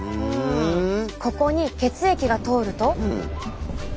ここに血液が通ると。